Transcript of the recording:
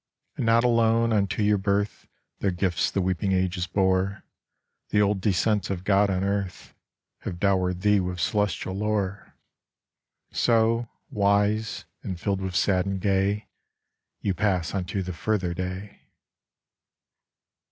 And not alone unto your birth Their gifts the weeping ages bore, The old descents of God on earth Have dowered thee with celestial lore : So, wise, and filled with sad and gay You pass unto the further day.